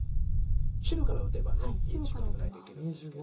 白から打てば１眼ぐらいできるんですけど。